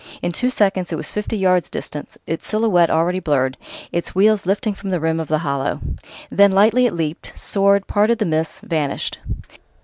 In two seconds it was fifty yards distant, its silhouette already blurred, its wheels lifting from the rim of the hollow. Then lightly it leaped, soared, parted the mists, vanished....